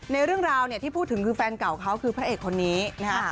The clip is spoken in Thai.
เรื่องราวเนี่ยที่พูดถึงคือแฟนเก่าเขาคือพระเอกคนนี้นะฮะ